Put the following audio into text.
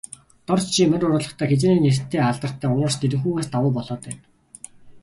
Дорж чи морь уургалахдаа, хэзээний нэртэй алдартай уургач Нэрэнхүүгээс давуу болоод байна.